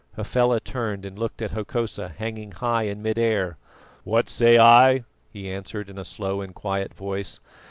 Hafela turned and looked at Hokosa hanging high in mid air. "What say I?" he answered in a slow and quiet voice.